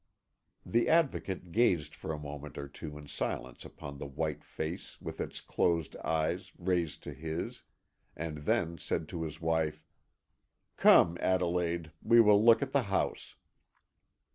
The Advocate gazed for a moment or two in silence upon the white face with its closed eyes raised to his, and then said to his wife: "Come, Adelaide, we will look at the house."